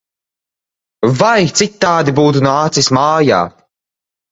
Vai citādi būtu nācis mājā!